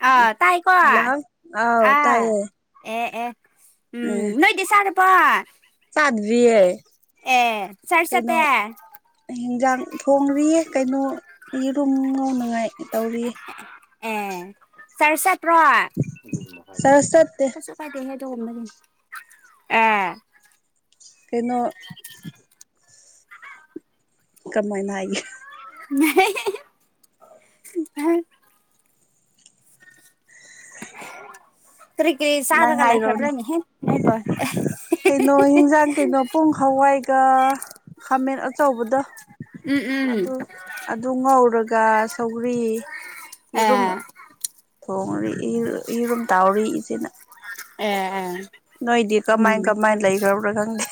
ꯑꯥ ꯇꯥꯏꯀꯣ ꯑꯥ ꯍꯜꯂꫭ ꯑꯥꯎ ꯇꯥꯏꯌꯦ ꯑꯦ ꯑꯦ ꯎꯝ ꯗꯤꯆꯥꯔꯄꯣ ꯆꯥꯗ꯭ꯤꯔꯌꯦ ꯑꯦ ꯁꯔ ꯁꯇꯌꯥ ꯍꯤꯟꯖꯥꯡ ꯊꯣꯡꯔꯤꯌꯦ ꯀꯩꯅꯣ ꯌꯦꯔꯨꯝ ꯉꯧꯅꯉꯥꯏ ꯇꯧꯔꯤꯌꯦ ꯑꯦ ꯆꯔꯠ ꯆꯔꯁ ꯆꯠꯇꯦ ꯆꯠ꯭ꯄꯔꫭ ꯄꯥꯏꯗ ꯍꯥꯏꯗꯣꯝꯕꯗꯤ ꯑꯦ ꯀꯩꯅꯣ ꯀꯃꯥꯏꯅ ꯍꯥꯏꯒꯦ [unintelligible] ꯍꯨꯝ ꯍꯩ ꯀꯔꯤ ꯀꯔꯤ ꯅꯪ ꯆꯥꯔꯒ ꯍꯥꯏꯔꯣꯅꯦ ꯂꯩꯈ꯭ꯔꯕ꯭ꯔꯥꯅꯤ ꯍꯦ ꯅꯣꯏꯕꯨ ꯀꯩꯅꯣ ꯍꯟꯖꯥꯡ ꯀꯩꯅꯣ ꯄꯨꯡ ꯍꯋꯥꯏꯒ ꯈꯥꯃꯦꯟ ꯑꯆꯧꯕꯗ ꯎꯝ ꯎꯝ ꯑꯗꯨ ꯑꯗꯨ ꯉꯧꯔꯒ ꯁꯧꯒꯔꯤ ꯌꯦꯔꯨꯝ ꯑꯦ ꯊꯣꯡꯉꯤ ꯌ°ꯔꯨꯝ ꯇꯥꯎꯔꯤ ꯏꯆꯦꯅ ꯑꯦ ꯑꯦ ꯅꯣꯏꯗꯤ ꯀꯃꯥꯏꯅ ꯎꯝ ꯀꯃꯥꯏꯅ ꯂꯩꯈ꯭ꯔꯕ꯭ꯔꯥ ꯈꯪꯗꯦ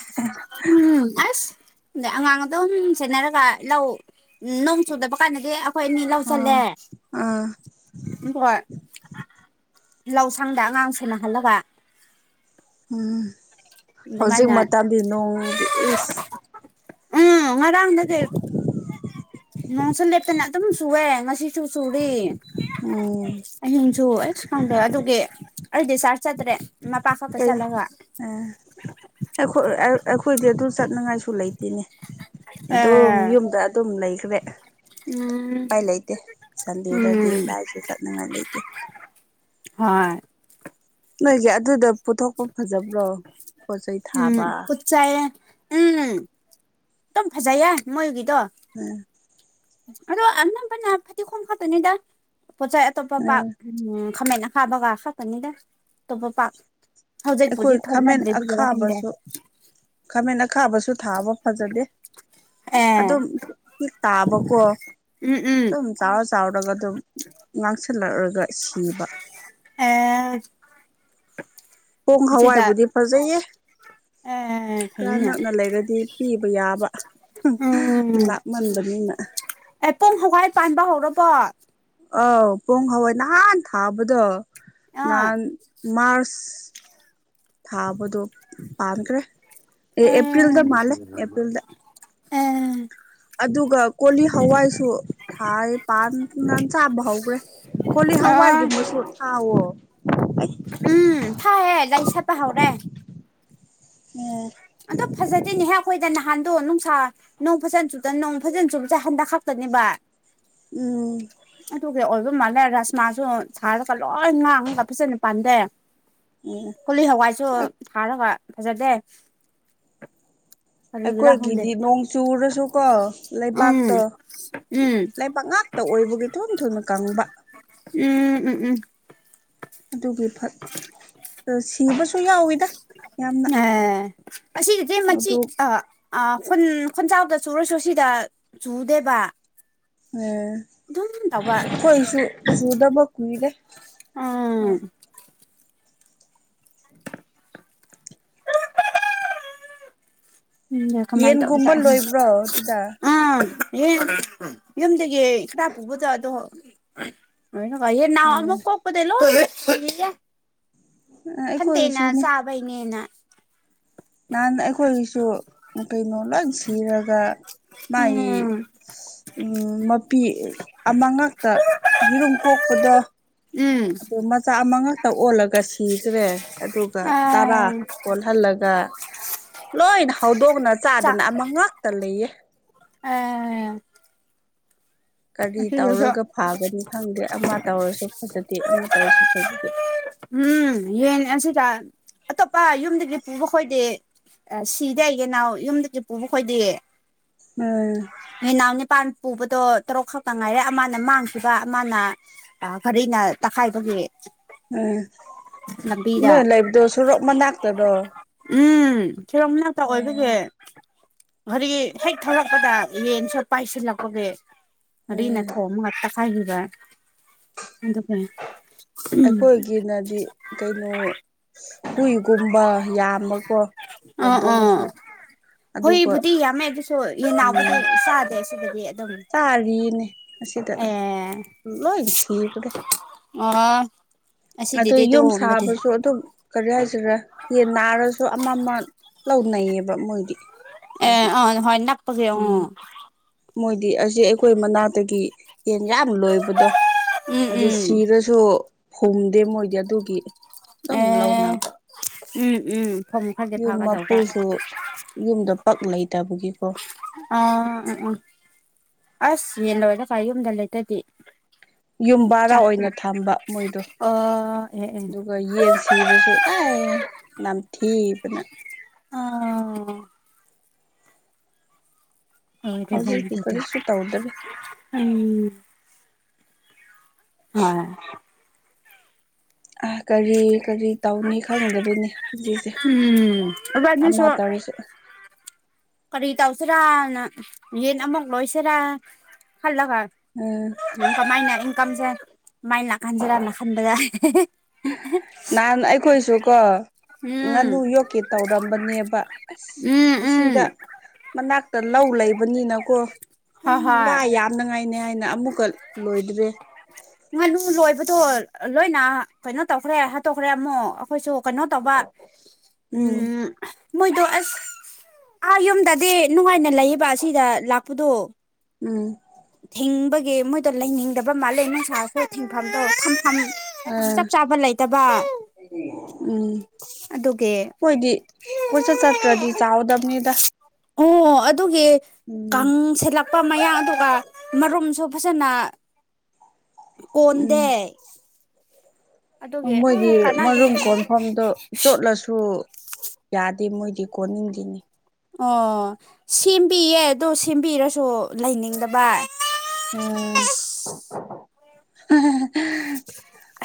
ꯎꯝ ꯑꯁ ꯑꯗ ꯑꯉꯥꯡ ꯑꯗꯨꯝ ꯁꯦꯟꯅꯔꯒ ꯂꯧ ꯎꯝꯝ ꯅꯣꯡ ꯆꯨꯗꯕ ꯀꯥꯟꯗꯗꯤ ꯑꯩꯈꯣꯏ ꯑꯅꯤ ꯂꯧꯗ ꯈꯜꯂꯦ ꯎꯝ ꯎꯝ ꯎꯝ ꯍꯣꯏ ꯂꯧ ꯁꯪꯗ ꯑꯉꯥꯡ ꯁꯦꯅꯍꯜꯂꯒꯥ ꯎꯝ ꯍꯧꯖꯤꯛ ꯑꯗꯨꯃꯥꯏꯅ ꯃꯇꯝꯗꯤ ꯅꯣꯡꯗꯤ ꯏꯁ ꯎꯝ ꯉꯔꯝꯗꯒꯤ [inaudible] ꯅꯣꯡꯁꯨ ꯂꯦꯞꯇꯅ ꯑꯗꯨꯝ ꯁꯨꯑꯦ ꯉꯁꯤꯁꯨ ꯆꯨꯔꯤ ꯎꯝ ꯑꯍꯤꯡꯁꯨꯀꯗ ꯑꯗꯨꯒꯤ ꯑꯩꯗꯤ ꯆꯔ ꯆꯠꯇ꯭ꯔꯦ ꯃꯄꯥ ꯈꯛꯇ ꯆꯠꯂꯒ ꯎ ꯑꯩꯈꯣꯏ ꯑꯩꯈꯣꯏꯗꯤ ꯑꯗꯨ ꯆꯠꯅꯉꯥꯏꯁꯨ ꯂꯩꯇꯦꯅꯦ ꯑꯗꯣ ꯑꯦ ꯌꯨꯝꯗ ꯑꯗꯨꯝ ꯂꯩꯈ꯭ꯔꯦ ꯎꯝ ꯎꯄꯏ ꯂꯩꯇꯦ ꯁꯟꯗꯦꯗꯗꯤ ꯎꯝ ꯀꯥꯏꯁꯨ ꯆꯠꯅꯤꯡꯉꯥꯏ ꯂꯩꯇꯦ ꯍꯣꯏ ꯅꯣꯏꯒꯤ ꯑꯗꯨꯗꫭ ꯄꯨꯊꯣꯛꯄꯥ ꯐꯖꯕ꯭ꯔꯣ꯫ ꯄꯣꯠ ꯆꯩ ꯎꯝ ꯊꯥꯕ ꯄꯛꯆꯌꯦ ꯎꯝ ꯑꯗꯨꯝ ꯐꯖꯩꯌꯦ ꯃꯣꯏꯒꯤꯗꯣ꯫ ꯎꯝ ꯑꯗꯣ ꯑꯅꯝꯕꯅ ꯐꯗꯤꯒꯣꯝ ꯈꯛꯇꯅꯤꯗ ꯄꯣꯠꯆꯩ ꯑꯇꯣꯞꯄ ꯄꯥꯛ ꯎꯝ ꯎꯝ ꯈꯥꯃꯦꯟ ꯑ ꯈꯥꯕꯒ ꯈꯛꯀꯅꯤꯗ ꯑꯇꯣꯞꯄ ꯄꯥꯛ ꯑꯩꯈꯣꯏ ꯍꯧꯖꯤꯛꯄꯨꯗꯤ ꯈꯥꯃꯦꯟ ꯊꯣꯛꯅꯗ꯭ꯔꯦꯗꯨꯗꯔꯥ ꯈꯪꯗꯦ ꯑꯈꯥꯕꯁꯨ ꯈꯥꯃꯦꯟ ꯑꯈꯥꯕꯁꯨ ꯊꯥꯕꯔꫭ ꯐꯖꯗꯦ ꯑꯦ ꯑꯗꯨꯝ ꯍꯦꯛ ꯇꯥꯕꯀꯣ ꯎꯝ ꯎꯝ ꯑꯗꯨꯝ ꯆꯥꯎꯔ ꯆꯥꯎꯔꯒ ꯑꯗꯨꯝ ꯉꯥꯡꯁꯤꯜꯂꯛꯂꯒ ꯁꯤꯕ ꯑꯩ ꯑꯑ ꯄꯣꯡ ꯍꯋꯥꯏꯕꯨꯗꯤ ꯐꯖꯩꯍ°꯫ ꯑꯦ ꯈꯔ ꯐꯩꯅꯦ ꯅꯛꯅ ꯂꯩꯔꯗꯤ ꯄꯤꯕ ꯌꯥꯕ ꯎꯝ ꯂꯥꯛꯃꯟꯕꯅꯤꯅ ꯑꯦ ꯄꯣꯝ ꯍꯋꯥꯏ ꯄꯥꯟꯕ ꯍꯧꯔꯕꯣ ꯑꯥꯎꯎ ꯄꯣꯡ ꯍꯋꯥꯏ ꯅꯍꯥꯟ ꯊꯥꯕꯗꯣ ꯑꯥ ꯅꯍꯥꯟꯅ ꯃꯥꯔꯁ ꯊꯥꯕꯗꯣ ꯄꯥꯟꯈ꯭ꯔꯦ ꯑꯦꯄꯔꯤꯟ ꯑꯦꯄ꯭ꯔꯤꯜꯗ ꯃꯥꯂ ꯑꯦꯄ꯭ꯔꯤꯜꯗ ꯑꯝ ꯑꯗꯨꯒꯥ ꯀꯣꯂꯤ ꯍꯋꯥꯏꯗꯨ ꯊꯥꯏ ꯄꯥꯟꯗꯅ ꯆꯥꯕ ꯍꯧꯈ꯭ꯔꯦ ꯀꯣꯂꯤ ꯑ ꯍꯋꯥꯏꯒꯨꯝꯕꯁꯨ ꯊꯥꯎꯑꫭ ꯎꯝ ꯊꯥꯏꯍ° ꯂꯩ ꯁꯥꯠꯄ ꯍꯧꯔꯦ ꯑꯣ [inaudible] ꯑꯗꯣ ꯐꯖꯗꯦꯅꯦꯍꯦ ꯑꯩꯈꯣꯏꯗꯥ ꯅꯍꯥꯟꯗꯣ ꯅꯨꯡꯁꯥ꯫ ꯅꯣꯡ ꯐꯖꯅ ꯆꯨꯇꯅ ꯅꯣꯡ ꯐꯖꯅ ꯆꯨꯨꯞꯕꯁꯦ ꯍꯟꯗꯛ ꯈꯛꯇꯅꯦꯕꯥ꯫ ꯎꯝ ꯑꯗꯨꯒꯤ ꯑꯣꯏꯕ ꯃꯥꯜꯂꯦ ꯔꯥꯁꯃꯥꯁꯨ ꯁꯥꯔꯒꯥ ꯂꯣꯏꯅ ꯉꯥꯡꯉꯒ ꯐꯖꯅ ꯄꯥꯟꯗꯦ꯫ ꯎꯝꯝ ꯀꯣꯂꯤ ꯍꯋꯥꯏꯁꯨ ꯊꯥꯔꯒ ꯐꯖꯗꯦ ꯀꯔꯤꯒꯤꯔꯥ ꯈꯪꯗꯦ ꯑꯩꯈꯣꯏꯒꯤꯗꯤ ꯅꯣꯡ ꯆꯨꯔꯁꯨ ꯀꯣ ꯎꯝ ꯂꯩꯕꯥꯛꯇꯣ ꯎꯝ ꯂꯩꯕꯥꯛ ꯉꯥꯛꯇ ꯑꯣꯏꯕꯒꯤ ꯊꯨꯅ ꯊꯨꯅ ꯀꯪꯕ ꯎꯝ ꯎꯝ ꯎꯝ ꯑꯗꯨꯒꯤ ꯁꯤꯕꯁꯨ ꯌꯥꯎꯋꯤꯗ ꯌꯥꯝꯅ [unintelligible] ꯃꯁꯤ ꯑꯗꯨ ꯑꯥ ꯈꯨꯟ ꯈꯨꯟꯖꯥꯎꯗ ꯆꯨꯔꯁꯨ ꯁꯤꯗ ꯆꯨꯗꯦꯕ ꯎꯝ ꯑꯗꯨꯝ ꯇꯧꯕ ꯑꯩꯈꯣꯏꯁꯨ ꯁꯨꯗꯕ ꯀꯨꯏꯔꯦ [unintelligible] ꯎꯝ ꯎꯝꯗ ꯀꯃꯥꯏꯅ ꯇꯧꯕ ꯇ ꯌꯦꯟꯒꯨꯝꯕ ꯂꯣꯏꯕ꯭ꯔꯣ ꯑꯗꯨꯗ ꯎꯝ ꯑ ꯌꯗ ꯍꯥ ꯄꯨꯕꯗꯣ ꯑꯗꯣꯅ ꯅꯅꯥꯎ ꯑꯃꯨꯛ ꯑꯦ ꯀꯣꯛ ꯑꯩꯈꯣꯏꯗꯤ ꯂꯣꯏ [inaudible] ꯐꯟꯇꯦꯅ ꯑꯩꯈꯣꯏꯒꯤꯁꯨꯅꯦ ꯆꯥꯕꯩꯅꯦꯅ ꯅꯍꯥꯟ ꯑꯩꯈꯣꯏꯒꯤꯁꯨ ꯀꯩꯅꯣ ꯂꯣꯏ ꯁꯤꯔꯒ ꯃꯥꯒꯤ ꯎꯝ ꯎꯝ ꯃꯄꯤ ꯑꯃꯉꯇ ꯌꯦꯔꯨꯝ ꯀꯣꯛꯄꯗꯣ ꯎꯝ ꯑꯗꯨ ꯃꯆꯥ ꯑꯃ ꯉꯛꯇꯥ ꯑꯣꯜꯂꯒ ꯁꯤꯈ꯭ꯔꯦ ꯑꯗꯨꯒ ꯇꯔꯥ ꯑꯥ ꯀꯜꯍꯜꯂꯒ ꯂꯣꯏꯅ ꯍꯧꯗꯣꯡꯅ ꯆꯥꯗꯅ ꯑꯃ ꯉꯥꯛꯇ ꯂꯩꯌꯦ ꯑꯑꯑ ꯀꯔꯤ ꯇꯧꯔꯒ ꯐꯥꯒꯅꯤ ꯈꯪꯗꯦ ꯑꯃ ꯇꯧꯔꯁꯨ ꯐꯖꯗꯦ ꯑꯃ ꯇꯧꯔꯁꯨ ꯐꯖꯗꯦ ꯎꯝ ꯌꯦꯟ ꯑꯁꯤꯗ ꯑꯇꯣꯞꯄ ꯌꯨꯝꯗꯒꯤ ꯄꯨꯕ ꯈꯣꯏꯗꯦ ꯑꯁꯤꯗꯩ ꯑꯩꯒꯤꯅꯥꯎ ꯌꯨꯝꯗꯒꯤ ꯄꯨꯕ ꯈꯣꯏꯗꯤ ꯎꯝ ꯅꯨꯅꯥꯎ ꯅꯤꯄꯥꯥꯟ ꯄꯨꯕꯗꯣ ꯇꯔꯨꯛ ꯈꯛꯇ ꯉꯥꯏꯔꯦ ꯑꯃꯅ ꯃꯥꯡꯈꯤꯕ ꯑꯃꯅ ꯒꯔꯤꯅ ꯇꯛꯈꯥꯏꯕꯒꯤ ꯎꯝ ꯂꯝꯕꯤꯗ ꯅꯣꯏ ꯂꯩꯕꯗꯣ ꯁꯣꯔꯣꯛ ꯃꯅꯥꯛꯇꯔꯣ ꯎꯝ ꯊꯤꯔꯣ ꯃꯅꯥꯛꯇ ꯑꯣꯏꯕꯒꯤꯦ ꯍꯥꯏꯔꯤ ꯍꯦꯛ ꯊꯂꯛꯄꯗ ꯌꯦꯟꯁꯨ ꯄꯥꯏꯁꯤꯜꯂꯛꯄꯒꯤ ꯑꯔꯤꯅ ꯎꯝ ꯊꯣꯡ ꯉ ꯇꯈꯥꯏꯈꯤꯕ ꯑꯗꯨꯒ ꯑꯩꯈꯣꯏꯒꯤꯅꯗꯤ ꯀꯩꯅꯣ ꯍꯨꯏꯒꯨꯝꯕ ꯌꯥꯝꯕꯀꯣ ꯑꯥ ꯍꯧꯗꯣꯡꯁꯨ ꯑꯥ ꯑꯗꯨꯒ ꯍꯨꯏꯕꯨꯗꯤ ꯌꯥꯝꯃꯦ ꯑꯗꯨꯁꯨ ꯌꯦꯅꯥꯎꯕꯨꯗꯤ ꯎꯝ ꯆꯥꯗꯦ꯫ ꯑꯗꯨꯕꯨꯗꯤ ꯑꯗꯨꯝ ꯆꯥꯔꯤꯅꯦ ꯑꯁꯤꯗ ꯑꯦ ꯂꯣꯏ ꯁꯤꯈ꯭ꯔꯦ ꯎꯝ ꯑꯗꯨ ꯌꯨꯝ ꯁꯥꯕꯁꯨ ꯑꯗꯨꯝ ꯀꯔꯤ ꯍꯥꯏꯁꯤꯔꯦ ꯌꯦꯟ ꯅꯥꯔꯁꯨ ꯑꯃ ꯑꯃ ꯂꯧꯅꯩꯌꯦꯕ ꯃꯣꯏꯗꯤ ꯁꯤꯗꯗꯤ ꯑ ꯑ ꯍꯅ [unintelligible] ꯎꯝ ꯃꯣꯏꯗꯤ ꯑꯁꯤ ꯑꯩꯈ ꯑꯩꯈꯣꯏ ꯃꯅꯥꯛꯇꯒꯤ ꯌꯦꯟ ꯌꯥꯝ ꯂꯣꯏꯕꯗꯣ ꯎꯝ ꯑꯗꯨ ꯎꯝ ꯁꯤꯔꯁꯨ ꯗꫭ ꯍꫭꯡꯗꯦ ꯃꯣꯏꯗꯤ ꯑꯗꯨꯒꯤ ꯑꯗꯨꯝ ꯑꯦ ꯂꯧꯅꯕ ꯎꯝ ꯎꯝ ꯐꯝ ꯈꯔꯗꯤ ꯌꯨꯝ ꯐꯒꯗꯧꯕ ꯃꯄꯨꯁꯨ ꯌꯨꯝꯗ ꯄꯛ ꯂꯩꯇꯕꯒꯤꯀꯣ ꯑ ꯎ ꯎꯝ ꯑꯁ ꯌꯦꯟ ꯂꯣꯏꯔꯒ ꯋꯨꯝꯗ ꯂꯩꯇꯗꯤ ꯌꯨꯝ ꯕꯥꯔꯥ ꯆꯥꯛꯇꯤ ꯑꯣꯏꯅ ꯊꯝꯕ ꯃꯣꯏꯗꯣ ꯑꯗꯨ ꯑꯣ ꯑꯦ ꯑꯦ ꯑꯗꯨꯒꯥ ꯌꯦꯟ ꯁꯤꯔꯁꯨ ꯑꯦ ꯅꯝꯊꯤꯕꯅꯥ꯫ ꯑꯥꯑꯥꯥ [unintelligible] ꯍꯧꯖꯤꯛꯇꯤ ꯀꯔꯤꯁꯨ ꯇꯧꯗꯔꯦ ꯎꯝ ꯍꯣꯏ ꯑ ꯀꯔꯤ ꯀꯔꯤ ꯇꯧꯅꯤ ꯈꯪꯗꯕꯤꯅꯦ ꯍꯧꯖꯤꯛꯁꯦ ꯎꯝ [unintelligible] ꯀꯔꯤ ꯇꯧꯁꯤꯔꯥꯅ ꯌꯦꯟ ꯑꯃꯨꯛ ꯂꯣꯏꯁꯤꯔ ꯈꯜꯂꯒꯥ꯫ ꯎꯝ ꯀꯃꯥꯏꯅ ꯏꯟꯀꯝꯁꯦ ꯃꯥꯏ ꯂꯛꯈꯟꯖꯔꯥ ꯅꯥ ꯈꯟꯕꯗꯥ ꯅꯍꯥꯟ ꯑꯩꯈꯣꯏꯁꯨ ꯀꯣ ꯉꯥꯅꯨ ꯌꯣꯛꯀꯦ ꯇꯧꯔꯝꯕꯅꯦꯕ ꯑꯁ ꯎꯝ ꯎꯝ ꯑꯁꯤꯗ ꯃꯅꯥꯛꯇ ꯂꯧ ꯂꯩꯕꯅꯤꯅꯀꯣ ꯎ ꯍꯣꯏ ꯍꯣꯏ ꯋꯥ ꯅꯪ ꯑꯩꯅꯤ ꯍꯥꯏꯅ ꯑꯃꯨꯛꯀ ꯂꯣꯏꯗ꯭ꯔꯦ ꯉꯥꯅꯨ ꯂꯣꯏꯕꯗꯣ ꯂꯣꯏꯅ ꯀꯩꯅꯣ ꯇꯧꯈ꯭ꯔꯦ ꯍꯥꯠꯇꯣꯛꯈ꯭ꯔꯦ ꯑꯃꯨꯛ ꯑꯩꯈꯣꯏꯁꯨ ꯀꯩꯅꯣ ꯇꯧꯕ ꯎꯝ ꯃꯣꯏꯗꯣ ꯑꯁ ꯑꯥ ꯌꯨꯝꯗꯗꯤ ꯅꯨꯡꯉꯥꯏꯅ ꯂꯩꯌꯦꯕ ꯑꯁꯤꯗ ꯂꯥꯛꯄꯗꯣ ꯎꯝ ꯊꯤꯡꯕꯒꯤ ꯃꯣꯏꯗ ꯂꯩꯅꯤꯡꯗꯕꯥ ꯃꯥꯜꯂꯦ ꯅꯨꯡꯁꯥꯔꯁꯤ ꯊꯤꯡꯐꯝꯗꯣ ꯊꯝꯐꯝ ꯑꯥ ꯆꯞ ꯆꯥꯕ ꯂꯩꯇꯕ ꯎꯝ ꯑꯗꯨꯒꯤ ꯈꯣꯏꯗꯤ ꯀꯣꯏꯆꯠ ꯆꯠꯇ꯭ꯔꯗꯤ ꯆꯥꯎꯗꯕꯅꯤꯗ ꯑꯣ ꯑꫭ ꯑꯗꯨꯒꯤ ꯎꯝ ꯀꯪ ꯁꯠꯂꯛꯄ ꯃꯌꯥꯗꯨꯒ ꯃꯔꯨꯝꯁꯨ ꯐꯖꯅ ꯀꯣꯟꯗꯦ ꯑꯗꯨꯒꯤ ꯑ ꯃꯣꯏꯒꯤ ꯃꯔꯨꯝ ꯀꯥꯟꯅꯗꯦ ꯀꯣꯟꯐꯝꯗꯣ ꯆꯣꯠꯂꯁꯨ ꯌꯥꯗꯦ ꯃꯣꯏꯗꯤ ꯀꯣꯟꯅꯤꯡꯗꯦꯅꯦ ꯑꯣ ꯁꯦꯝꯕꯤꯌꯦ ꯑꯗꯣ ꯁꯦꯝꯕꯤꯔꯁꯨ ꯂꯩꯅꯤꯡꯗꯕ ꯎꯝ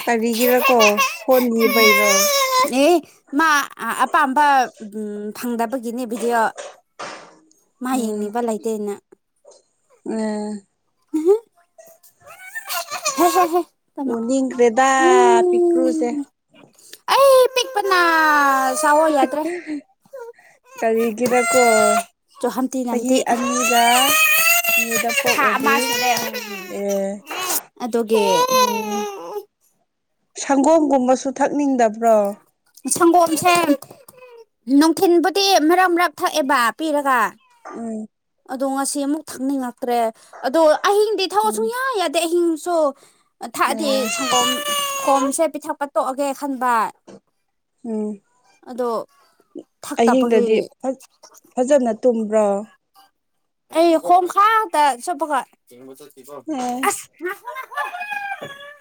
ꯀꯔꯤꯒꯤꯔꯀꯣ ꯐꯣꯟ ꯅꯤꯕꯩꯔꯣ ꯑꯦ ꯃꯥ ꯑꯄꯥꯝꯕ ꯐꯪꯗꯕꯒꯤꯅꯦ ꯚꯤꯗꯤꯑꯣ ꯃꯥ ꯎꯝ ꯌꯦꯡꯅꯤꯡꯕ ꯂꯩꯇꯦꯅ ꯎꯝ ꯍ ꯍ ꯍ ꯇꯞꯅ ꯎꯅꯤꯡꯈ꯭ꯔꯦꯗ ꯄꯤꯛꯇ꯭ꯔꯨꯁꯦ ꯎꯝ ꯑꯩ ꯄꯤꯛꯄꯅ ꯁꯥꯑꯣ ꯌꯥꯗ꯭ꯔꯦ ꯀꯔꯤꯒꯤꯔꯀꯣ ꯆꯣ ꯍꯝꯇꯤ ꯆꯍꯤ ꯅꯝꯇꯤ ꯑꯅꯤꯒ ꯃꯤꯗꯥ ꯊꯥ ꯄꯣꯛꯂꯗꯤ ꯑꯃ ꯁꯨꯔꯦ ꯑꯦ ꯑꯗꯨꯒꯤ ꯎꯝꯝ ꯁꯪꯒꯣꯝꯒꯨꯝꯕꯁꯨ ꯊꯛꯅꯤꯡꯗꯕ꯭ꯔꯣ ꯁꯪꯒꯣꯝꯁꯦ ꯅꯨꯡꯊꯤꯟꯕꯨꯗꯤ ꯃꯔꯛ ꯃꯔꯛ ꯊꯛꯑꯦꯕ ꯄꯤꯔꯒ ꯎꯝ ꯑꯗꯣ ꯉꯁꯤ ꯑꯃꯨꯛ ꯊꯛꯅꯤꯡꯉꯛꯇ꯭ꯔꯦ ꯑꯗꯣ ꯑꯍꯤꯡꯗꯤ ꯊꯛꯑꯣ ꯎꯝ ꯁꯨꯡ ꯌꯥ ꯌꯥꯗꯦ ꯑꯍꯤꯡꯁꯨ ꯊꯛꯗꯤ ꯑꯦ ꯁꯪꯒꯣꯝ ꯁꯣꯝꯁꯦ ꯄꯤꯊꯛꯄ ꯇꯣꯛꯑꯒꯦ ꯈꯟꯕ ꯎꯝ ꯑꯗꯣ ꯑꯍꯤꯡꯗꯗꯤ ꯊꯛꯇꯕꯒꯤ ꯐꯖ ꯐꯖꯅ ꯇꯨꯝꯕ꯭ꯔꯣ꯫ ꯑꯩ ꯈꫭꯡ ꯈꯥꯡꯇ ꯁꯨꯞꯕꯒꯥ ꯑꯦ ꯑꯁ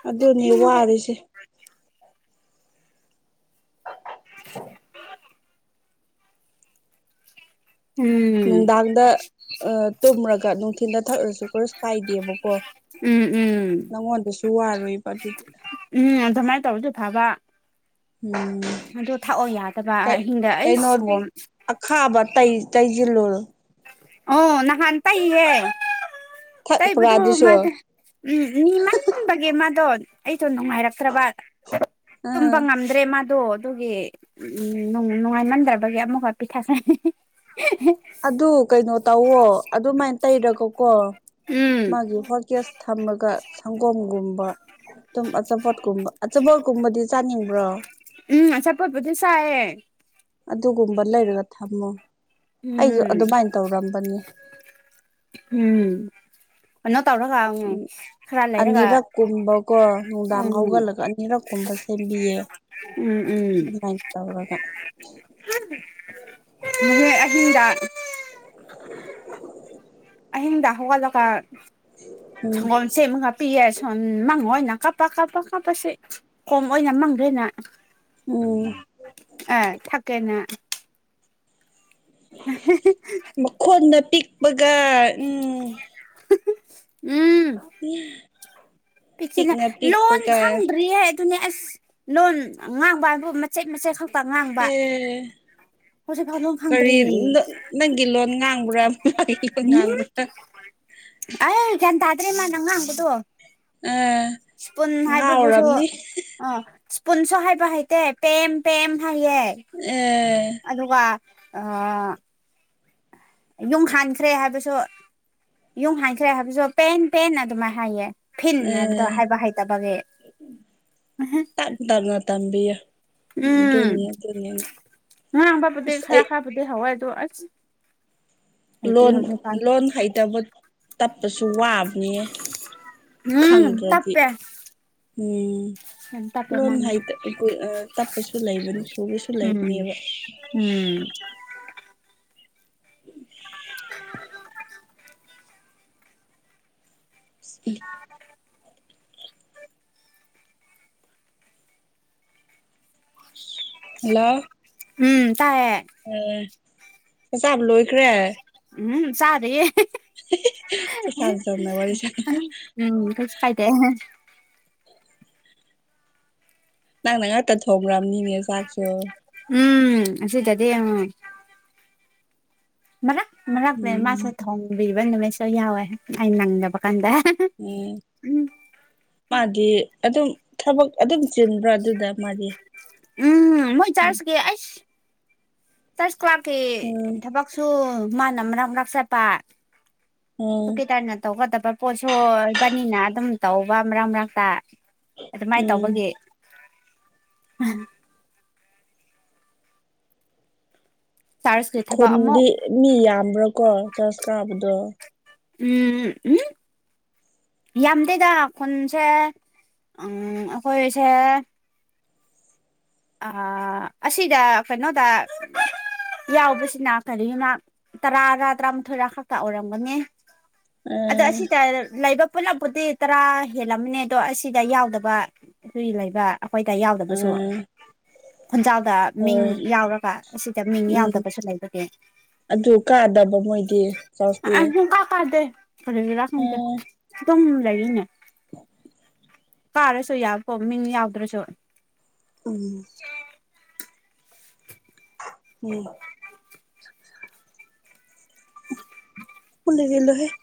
ꯑꯗꯨꯅꯦ ꯋꯥꯔꯤꯔꯤꯁꯦ ꯑ ꯎꯝ ꯅꯨꯡꯗꯥꯡꯗ ꯇꯨꯝꯔꯒ ꯅꯨꯡꯊꯤꯟꯜꯗ ꯊꯛꯔꯁꯨ ꯈꯔꯁꯨ ꯀꯥꯏꯗꯦꯕꯀꯣ ꯎꯝ ꯎꯝ ꯅꯪꯉꯣꯟꯗꯁꯨ ꯋꯥꯔꯣꯏꯕ ꯑꯗꯨꯗꯤ ꯎꯝ ꯑꯗꯨꯃꯥꯏꯅ ꯇꯧꯔꯗꯤ ꯐꯕ ꯎꯝꯝ ꯑꯗꯨ ꯊꯥꯛꯑꯣ ꯌꯥꯗꯕ ꯑꯍꯤꯡꯗ ꯑꯩ ꯀꯩꯅꯣ ꯁꯪꯒꯣꯝ ꯑꯈꯥꯕ ꯇꯩꯁꯤꯜꯂꯣꯜ ꯑꯣ ꯅꯍꯥꯟ ꯇꯩꯍꯦ ꯊꯛꯄ꯭ꯔꯥ ꯇꯩꯕꯗꯨ ꯑꯗꯨꯁꯨ ꯃꯥ ꯎꯝ ꯔ°ꯡ ꯃꯟꯕꯒꯤ ꯃꯥꯗꯣ ꯑꯩꯗꯣ ꯅꯨꯡꯉꯥꯏꯔꯛꯇ꯭ꯔꯕ ꯇꯨꯝꯕ ꯑꯥ ꯉꯝꯗꯥ ꯑꯗꯨꯗ꯭ꯔꯦ ꯃꯗꯨ ꯑꯗꯨꯒꯤ ꯎꯝ ꯅꯨꯡꯉꯥꯏꯃꯟꯗ꯭ꯔꯕꯒꯤ ꯑꯃꯨꯛꯈ ꯄꯤꯊꯛꯀꯅꯤ ꯑꯗꯨ ꯀꯩꯅꯣ ꯇꯧꯋꯣ ꯑꯗꯨꯃꯥꯏꯅ ꯇꯩꯔꯒꯀꯣ ꯎꯝ ꯃꯥꯒꯤ ꯍꯣꯠꯀꯦꯁ ꯊꯝꯃꯒ ꯁꯪꯒꯣꯝꯒꯨꯝꯕ ꯑꯗꯨꯝ ꯑꯆꯥꯄꯣꯠꯀꯨꯝꯕ ꯑꯆꯥꯄꯣꯠꯀꯨꯝꯕꯗꯤ ꯆꯥꯅꯤꯡꯕ꯭ꯔꯣ ꯎꯝ ꯑꯆꯥꯄꯣꯠꯄꯨꯗꯤ ꯆꯥꯏꯌꯦ ꯑꯗꯨꯒꯨꯝꯕ ꯂꯩꯔꯒ ꯊꯝꯃꯣ ꯑꯩꯁꯨ ꯎꯝ ꯑꯗꯨꯃꯥꯏꯅ ꯇꯧꯔꯝꯕꯅꯤ ꯎꯝ ꯀꯩꯅꯣ ꯇꯧꯔꯒ ꯎꯝ ꯈꯔ ꯂꯩꯔꯒ ꯑꯅꯤꯔꯛ ꯀꯨꯝꯕꯀꯣ ꯅꯨꯡꯗꯥꯡ ꯎꯝ ꯍꯧꯒꯠꯂꯒ ꯑꯅꯤꯔꯛ ꯀꯨꯝꯕꯁꯦ ꯁꯦꯝꯕꯤꯌꯦ ꯎꯝꯝ ꯎꯝꯝ ꯑꯗꯨꯃꯥꯏꯅ ꯇꯧꯔꯒ ꯃ ꯑ ꯍꯗ [unintelligible] ꯑꯍꯤꯡꯗ ꯍꯧ ꯒꯠꯂꯒ ꯎꯝ ꯁꯪꯒꯣꯝ ꯆꯦꯃ ꯀꯥꯄꯤꯤꯁꯣꯟ ꯃꯥꯡꯉꯣꯅ ꯀꯄ ꯀꯥꯄ ꯀꯥꯄꯁꯦ [unintelligible] ꯈꯣꯡ ꯑꯣꯏꯅ ꯃꯪꯗꯦꯅ ꯎꯝ ꯑ ꯊꯛꯀꯦꯅ ꯃꯈꯣꯟꯅ ꯄꯤꯛꯄꯒ ꯎꯝ [inaudible] ꯎꯝ ꯄꯤꯆꯅ ꯄꯤꯛꯅ ꯂꯣꯟ ꯄꯤꯛꯄꯒ ꯈꯪꯗ꯭ꯔꯤ ꯍꯥꯏ ꯑꯗꯨꯅꯦ ꯑꯁ ꯂꯣꯟ ꯉꯥꯡꯕ ꯍꯥꯏꯕꯨ ꯃꯆꯦꯠ ꯃꯆꯦꯠ ꯈꯛ ꯉꯥꯡꯕ ꯑꯦ ꯍꯧꯖꯤꯛ ꯐꯥꯎꯕ ꯀꯔꯤ ꯈꯪꯗ꯭ꯔꯤ ꯅꯪꯒꯤ ꯂꯣꯟ ꯉꯥꯡꯕ꯭ꯔꯥ ꯃꯥꯒꯤ ꯂꯣꯟ ꯉꯥꯡꯕ꯭ꯔꯥ ꯑ ꯆ ꯇꯥꯗ꯭ꯔꯔꯤꯃ ꯅꯪ ꯑꯪꯥꯟꯕꯣ ꯑ ꯁ ꯄꯨꯨꯟ ꯍꯥꯏꯕꯕꯨꯁꯨ ꯉꯥꯎꯔꯝꯅꯤ ꯑꯣ ꯏꯁꯄꯨꯟꯁ ꯍꯥꯏꯕ ꯍꯥꯏꯩꯇ ꯄꯦꯝ ꯄꯦꯝ ꯍꯦ ꯑ ꯑꯗꯨꯒ ꯑ ꯌꯨꯡ ꯍꯥꯟꯈ꯭ꯔꯦ ꯍꯥꯏꯕꯁꯨ ꯌꯨꯡ ꯍꯥꯟꯈ꯭ꯔꯦ ꯍꯥꯏꯕꯁꯨ ꯄꯦꯟ ꯄꯦꯟ ꯑꯗꯨꯃꯥꯏꯅꯥ ꯍꯥꯏꯌꯦ꯫ ꯐꯤꯟ ꯑ ꯍꯥꯏꯕꯗꯣ ꯍꯥꯏꯕ ꯍꯩꯇꯕꯒꯤ ꯇꯥꯡ ꯇꯥꯛꯅ ꯇꯝꯕꯤ ꯎꯝ ꯗꯅꯤꯌꯥ ꯗꯅꯤꯅ ꯉꯥꯡꯕꯕꯨꯗꯤ ꯈꯔ ꯈꯔꯕꯨꯗꯤ ꯍꯋꯥꯏꯗꯣ ꯑꯁ ꯍꯩꯇ꯭ꯔꯤ ꯂꯣꯟ ꯍꯧꯖꯤꯛꯀꯥꯟ ꯂꯣꯟ ꯍꯩꯇꯕ ꯇꯠꯄꯁꯨ ꯋꯥꯕ ꯅꯤ ꯎꯝ ꯈꯪꯗ꯭ꯔꯗꯤ ꯇꯞꯄꯦ ꯎꯝ ꯌꯥꯝ ꯇꯞꯄꯦ ꯂꯣꯟ ꯃꯥꯗꯤ ꯍꯥꯏ ꯇꯞꯄꯁꯨ ꯂꯩꯕꯅꯤ ꯊꯨꯕꯁꯨ ꯎꯝ ꯂꯩꯕꯅꯦꯕ ꯎꯝ ꯎ [unintelligible] [inaudible] ꯑꯁ ꯎꯝ ꯇꯥꯏꯌꯦ ꯑꯦ ꯆꯆꯥꯥꯕ ꯂꯣꯏꯈ꯭ꯔꯦ ꯎꯝ ꯆꯥꯗꯦ ꯆꯥꯛ ꯆꯥꯅ ꯆꯝꯅ ꯋꯥꯔꯤ ꯁꯥ ꯎꯝ ꯀꯥꯏꯗꯦ ꯅꯪꯅ ꯉꯥꯛꯇ ꯊꯣꯡꯈ꯭ꯔꯕꯅꯤꯅꯦ ꯆꯥꯛꯁꯨ ꯎꯝ ꯑꯁꯤꯇꯗꯤ ꯃꯔꯛ ꯃꯔꯛꯇꯅꯦ ꯃꯥꯁꯨ ꯎꯝ ꯊꯣꯡꯕꯤꯕ ꯅꯨꯃꯤꯠꯁꯨ ꯌꯥꯎꯋꯦ ꯑꯩꯅ ꯅꯪꯗꯕ ꯀꯥꯟꯗ ꯎꯝ ꯎꯝ ꯃꯥꯗꯤ ꯑꯗꯨꯝ ꯊꯕꯛ ꯑꯗꯨꯝ ꯆꯤꯟꯕ꯭ꯔꯥ ꯑꯗꯨꯗ ꯃꯥꯗꯤ ꯎꯝ ꯃꯣꯏ ꯎꯝ ꯆꯔꯁꯀꯤ ꯑꯏꯁ ꯇꯔꯁ ꯀ꯭ꯂꯥꯛꯀꯤ ꯊꯕꯛꯁꯨ ꯃꯥꯅ ꯃꯛ ꯃꯔꯛ ꯆꯠꯄ ꯎꯝ ꯁꯨꯀꯤꯇꯔꯅ ꯇꯧꯒꯗꯕ ꯄꯣꯠꯁꯨ ꯑꯣꯏꯕꯅꯤꯅ ꯑꯗꯨꯝ ꯇꯧꯕ ꯃꯔꯛ ꯃꯔꯛꯇ ꯑꯗꯨꯃꯥꯏꯅ ꯎꯝ ꯇꯧꯕꯒꯤ ꯆꯥꯔꯖꯀꯤ ꯊꯕꯛ ꯑꯃꯨꯛ ꯈꯨꯟꯗꯤ ꯃꯤ ꯌꯥꯝꯕ꯭ꯔꯥꯀꯣ ꯆꯔꯖ ꯀꯥꯕꯗꯣ ꯎꯝ ꯎꯝ ꯌꯥꯝꯗꯦꯗ ꯈꯨꯟꯁꯦ ꯑꯩꯈꯣꯏꯁꯦ ꯑꯁꯤꯗ ꯀꯩꯅꯣꯗ ꯌꯥꯎꯕꯁꯤꯅ ꯀꯔꯤꯒꯤꯅ ꯇꯔꯥꯔ ꯇꯔꯥꯃꯥꯊꯣꯏꯔ ꯈꯛꯇ ꯑꯣꯏꯔꯝꯒꯅꯤ ꯑ ꯑꯗ ꯑꯁꯤ ꯇ ꯂꯥꯏꯕ ꯄꯨꯂꯞꯄꯨꯗꯤ ꯇꯔꯥ ꯍꯦꯜꯂꯝꯃꯅꯤ ꯑꯗꯣ ꯑꯁꯤꯗ ꯌꯥꯎꯗꯕ ꯑꯗꯨꯒꯤ ꯂꯩꯕ ꯑꯩꯈꯣꯏꯗ ꯑ ꯌꯥꯎꯗꯕꯁꯨ ꯈꯨꯟꯖꯥꯎꯗ ꯃꯤꯡ ꯍꯣꯏ ꯌꯥꯎꯔꯒ ꯑꯁꯤꯗ ꯃꯤꯡ ꯎꯝ ꯌꯥꯎꯗꯕꯁꯨ ꯂꯩꯕꯒꯤ ꯑꯗꯨ ꯀꯥꯗꯕ ꯃꯣꯏꯗꯤ ꯆꯥꯎꯁꯇꯤ ꯐꯗꯦ ꯀꯔꯤꯒꯤꯔ ꯈꯪꯗ ꯑꯗꯨꯝ ꯂꯩꯔꯦꯅꯦ [inaudible] ꯄꯥꯔꯁꯨ ꯌꯥꯕꯈꫭ ꯃꯤꯡ ꯌꯥꯎꯗ꯭ꯔꯁꯨ꯫ ꯎꯝꯝ ꯆꯆꯆ ꯎꯝꯝ [unintelligible] [inaudible] ꯀꯅꯒꯂꯍꯦ [unintelligible]